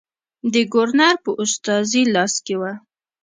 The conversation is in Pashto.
د ګورنر په استازي لاس کې وه.